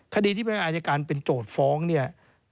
คดีที่แม่อายการเป็นโจทย์ฟ้องเนี่ย